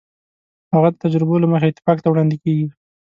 هغه د تجربو له مخې اتفاق ته وړاندې کېږي.